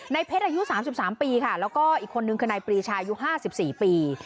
เพชรอายุ๓๓ปีค่ะแล้วก็อีกคนนึงคือนายปรีชายุ๕๔ปี